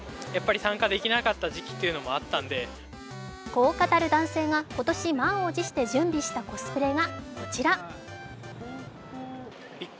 こう語る男性が今年、満を持して準備したコスプレがこちら。